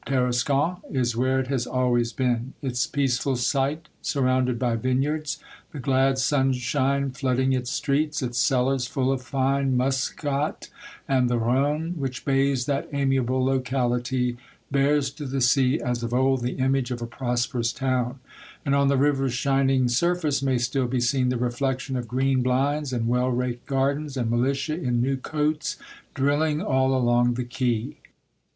Tarascon is where it has always been, its peaceful site surrounded by vineyards, the glad sunshine flooding its streets, its cellars full of fine Muscat, and the Rhone, which bathes that amiable locality, bears to the sea, as of old, the image of a prosperous town; and on the river's shining sur face may still be seen the reflection of green blinds, and well raked gardens, and militia, in new coats, drilling all along the quay.